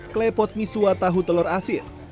klepot misua tahu telur asin